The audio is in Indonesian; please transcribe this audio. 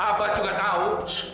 papa juga tahu